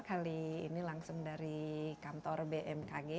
kali ini langsung dari kantor bmkg